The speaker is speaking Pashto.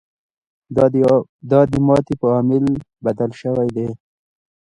دا د ماتې په عامل بدل شوی دی.